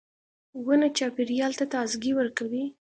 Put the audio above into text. • ونه چاپېریال ته تازهګۍ ورکوي.